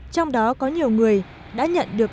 trong đó có nhiều người đã nhận được